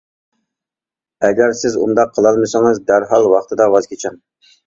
ئەگەر سىز ئۇنداق قىلالمىسىڭىز دەرھال ۋاقتىدا ۋاز كېچىڭ!